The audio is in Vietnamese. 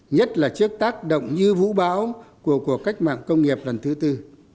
nhất là trước tác động như vũ báo của cuộc cách mạng công nghiệp lần thứ tư